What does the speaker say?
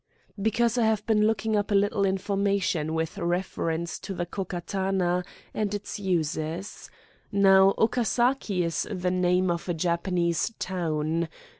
"Because I have been looking up a little information with reference to the Ko Katana and its uses. Now, Okasaki is the name of a Japanese town.